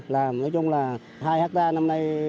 nói chung là hai hectare năm nay